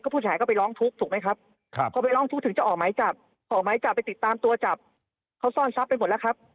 ก็ผู้เสียหายก็ไปร้องทุกข์ถูกไหมครับ